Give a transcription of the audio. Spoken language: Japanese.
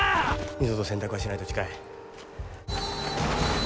二度と洗濯はしないと誓え。